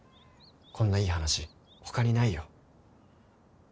こんないい話他にないよ。